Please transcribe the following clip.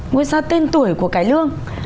ngôi sao tên tuổi của cái lương